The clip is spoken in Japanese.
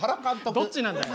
どっちなんだよ！